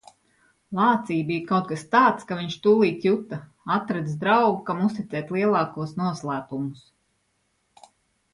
Lācī bija kas tāds, ka viņš tūlīt juta - atradis draugu, kam uzticēt lielākos noslēpumus.